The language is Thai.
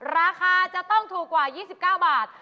ราคาจะต้องถูกกว่า๒๙บาท